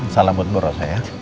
salam untuk muro saya ya